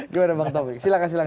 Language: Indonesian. gimana bang taufik silahkan